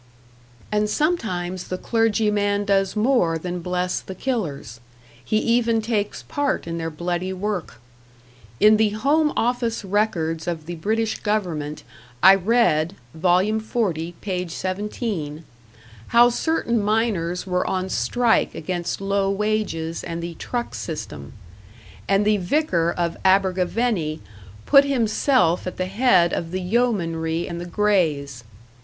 And sometimes the clergyman does more than bless the killers he even takes part in their bloody work. In the Home Office Records of the British Government I read (vol. 40, page 17) how certain miners were on strike against low wages and the "truck" system, and the Vicar of Abergavenny put himself at the head of the yeomanry and the Greys.